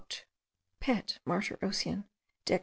Pet. Martyr Ocean., dec.